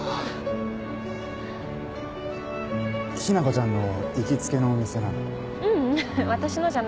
雛子ちゃんの行きつけのお店なの？